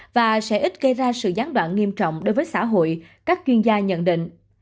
và sẽ ít gây ra sự gián đoạn nghiêm trọng đối với xã hội các chuyên gia nhận định